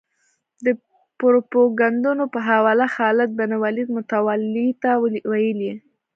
د پروپاګندونو په حواله خالد بن ولید متولي ته ویلي.